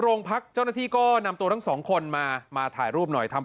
โรงพักเจ้าหน้าที่ก็นำตัวทั้งสองคนมามาถ่ายรูปหน่อยครับ